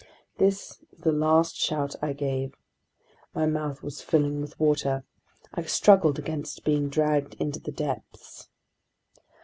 This was the last shout I gave. My mouth was filling with water. I struggled against being dragged into the depths.